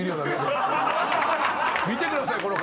見てください